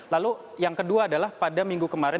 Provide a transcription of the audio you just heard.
lalu yang kedua adalah pada minggu kemarin